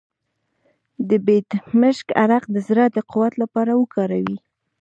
د بیدمشک عرق د زړه د قوت لپاره وکاروئ